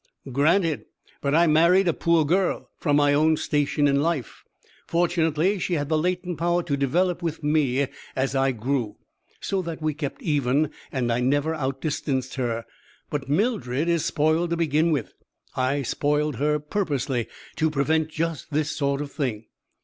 "Granted! But I married a poor girl, from my own station in life. Fortunately she had the latent power to develop with me as I grew; so that we kept even and I never outdistanced her. But Mildred is spoiled to begin with. I spoiled her purposely, to prevent just this sort of thing.